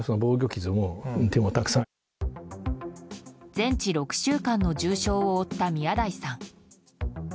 全治６週間の重傷を負った宮台さん。